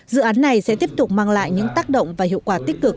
dự án này sẽ tiếp tục mang lại những tác động và hiệu quả tích cực